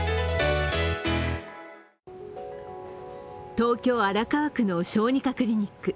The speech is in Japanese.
東京・荒川区の小児科クリニック